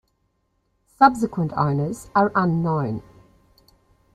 Subsequent owners are unknown.